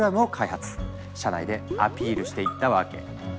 社内でアピールしていったわけ。